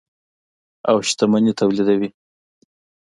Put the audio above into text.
او شتمني تولیدوي.